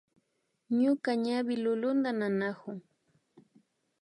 Ñuka ñawi lulunta nanakun